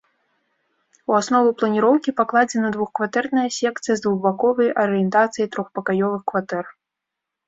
У аснову планіроўкі пакладзена двухкватэрная секцыя з двухбаковай арыентацыяй трохпакаёвых кватэр.